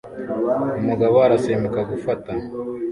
Umugabo arasimbuka gufata